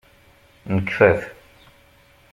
Nekfa-t.